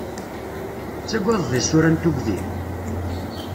Tettagadeḍ isura n tugdi?